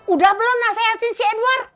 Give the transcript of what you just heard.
udah belum nasihatin si edward